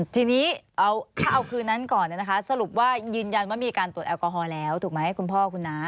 ทีนี้ถ้าเอาคืนนั้นก่อนสรุปว่ายืนยันว่ามีการตรวจแอลกอฮอลแล้วถูกไหมคุณพ่อคุณน้า